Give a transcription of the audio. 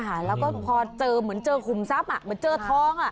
แล้วก็พอเจอเหมือนเจอขุมทรัพย์เหมือนเจอทองอ่ะ